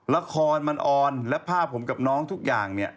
ละครมันออนและภาพผมกับน้องทุกอย่างเนี่ย